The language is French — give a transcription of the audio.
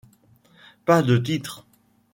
Pas de titre.